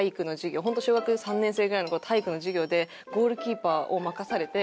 小学３年生ぐらいの頃体育の授業でゴールキーパーを任されて。